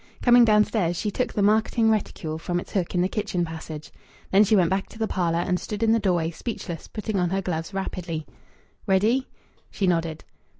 Coming downstairs, she took the marketing reticule from its hook in the kitchen passage. Then she went back to the parlour and stood in the doorway, speechless, putting on her gloves rapidly. "Ready?" She nodded.